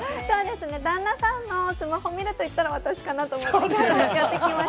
旦那さんのスマホを見るといったら私かなと思ってやってきました。